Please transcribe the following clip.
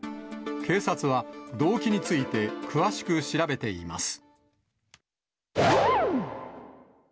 警察は、動機について詳しく調べています。